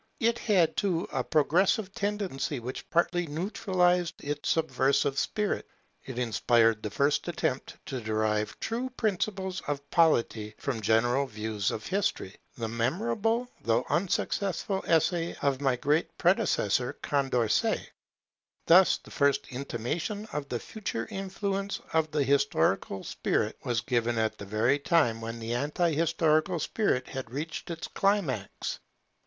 It had, too, a progressive tendency, which partly neutralized its subversive spirit. It inspired the first attempt to derive true principles of polity from general views of history; the memorable though unsuccessful essay of my great predecessor Condorcet. Thus the first intimation of the future influence of the historical spirit was given at the very time when the anti historical spirit had reached its climax.